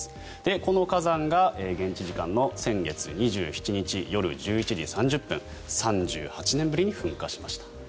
この火山が現地時間の先月２７日夜１１時３０分３８年ぶりに噴火しました。